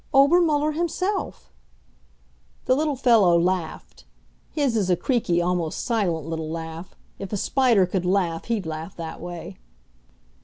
"Obermuller himself." The little fellow laughed. His is a creaky, almost silent little laugh; if a spider could laugh he'd laugh that way.